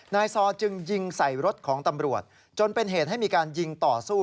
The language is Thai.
ซอจึงยิงใส่รถของตำรวจจนเป็นเหตุให้มีการยิงต่อสู้